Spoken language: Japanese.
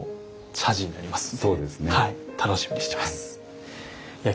楽しみにしてます。